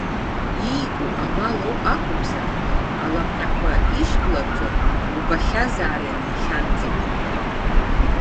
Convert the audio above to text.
Иику амал ауп акәымзар, алапҟьақәа ишькларҵо убахьазаарын иахьанӡагьы.